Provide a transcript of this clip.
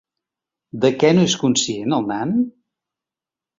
De què no és conscient el nan?